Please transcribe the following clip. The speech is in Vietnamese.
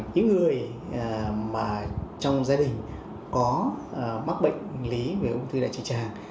những người mà trong gia đình có mắc bệnh lý về ung thư đại trực tràng